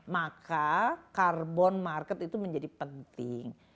maka carbon market itu menjadi penting